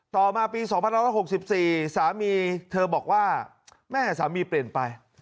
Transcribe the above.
ต่อมาปีสองพันร้อยหกสิบสี่สามีเธอบอกว่าแม่สามีเปลี่ยนไป